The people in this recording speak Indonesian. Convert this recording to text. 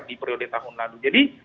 di periode tahun lalu jadi